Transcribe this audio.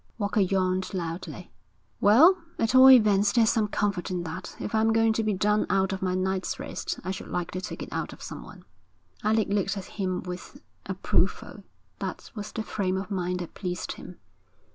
Walker yawned loudly. 'Well, at all events there's some comfort in that. If I am going to be done out of my night's rest, I should like to take it out of someone.' Alec looked at him with approval. That was the frame of mind that pleased him.